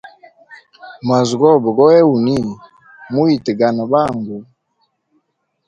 Mwazi gobe gowena uni, muyitgane bangu.